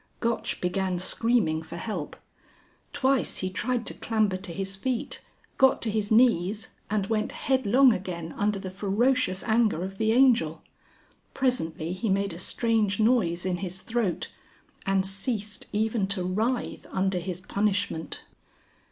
Gotch began screaming for help. Twice he tried to clamber to his feet, got to his knees, and went headlong again under the ferocious anger of the Angel. Presently he made a strange noise in his throat, and ceased even to writhe under his punishment.